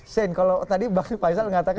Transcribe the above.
sen kalau tadi pak faisal katakan